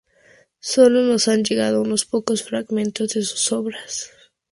Sólo nos han llegado unos pocos fragmentos de sus obras.